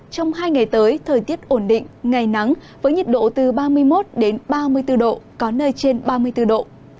trong hai ngày tới thời tiết ổn định ngày nắng với nhiệt độ từ ba mươi một ba mươi bốn độ có nơi trên ba mươi bốn độ